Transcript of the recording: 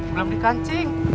belum di kancing